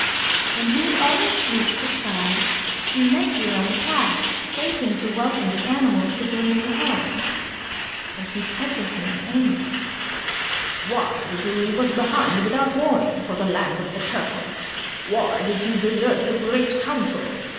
When he had almost reached the sky, he met Deer on the path waiting to welcome the animals to their new home. And he said to him in anger, "Why did you leave us behind, without warning, for the land of the Turtle? Why did you desert the Great Council?